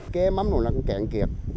cái mắm nó cũng kẹn kiệt